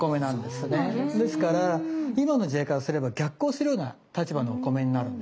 ですから今の時代からすれば逆行するような立場のお米になるんです。